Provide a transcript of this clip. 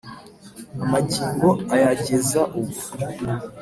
Amagingo ayageza ubu.